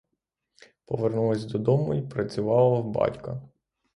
Повернулась додому й працювала в батька.